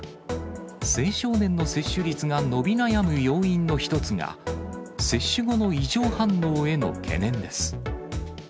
青少年の接種率が伸び悩む要因の一つが、接種後の異常反応への懸念です。